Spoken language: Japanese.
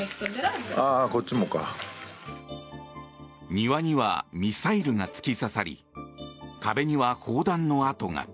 庭にはミサイルが突き刺さり壁には砲弾の跡が。